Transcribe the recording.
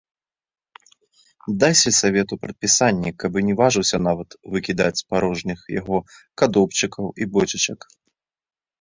Дай сельсавету прадпісанне, каб і не важыўся нават выкідаць парожніх яго кадоўбчыкаў і бочачак.